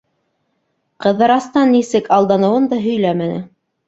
Ҡыҙырастан нисек алданыуын да һөйләмәне.